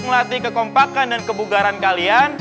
menghidupkan hati kekompakan dan kebugaran kalian